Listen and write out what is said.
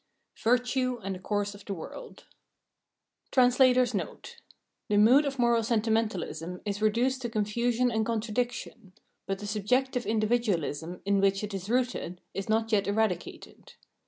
Virtue and the Course of the World [The mood of moral sentimentalism is reduced to coDfusion and contra diction : but the subjective individualism in which it is rooted is not yet eradicated.